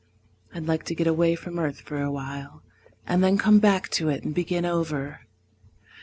I'd like to get away from earth awhile And then come back to it and begin over.